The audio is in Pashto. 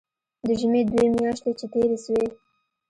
د ژمي دوې مياشتې چې تېرې سوې.